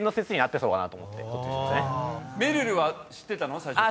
めるるは知ってたの？